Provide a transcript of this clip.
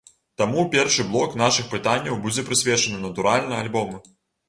Таму першы блок нашых пытанняў будзе прысвечаны, натуральна, альбому.